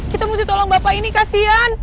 kita mesti tolong bapak ini kasian